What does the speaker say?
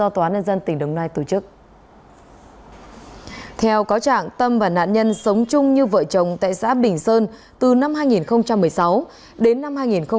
theo cáo trạng tâm và nạn nhân sống chung như vợ chồng tại xã bình sơn từ năm hai nghìn một mươi sáu đến năm hai nghìn một mươi bảy